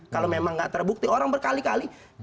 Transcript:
kalau memang nggak terbukti orang berkali kali